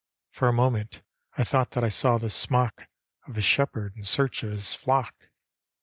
For a moment I thought that I saw the smock Of a shepherd in search of his flock.